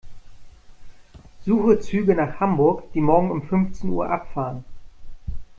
Suche Züge nach Hamburg, die morgen um fünfzehn Uhr abfahren.